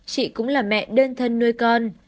chị cũng là mẹ đơn thân nuôi con